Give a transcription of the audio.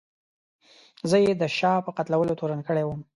زه یې د شاه په قتلولو تورن کړی وم.